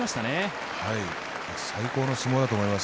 最高の相撲だと思います。